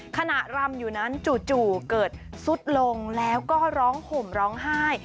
รำอยู่นั้นจู่เกิดซุดลงแล้วก็ร้องห่มร้องไห้